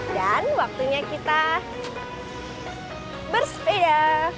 dan waktunya kita bersepeda